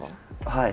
はい。